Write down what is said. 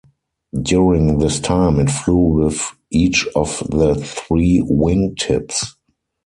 During this time it flew with each of the three wing tips.